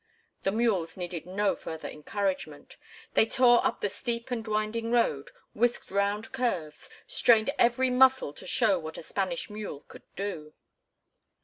The mules needed no further encouragement. They tore up the steep and winding road, whisked round curves, strained every muscle to show what a Spanish mule could do.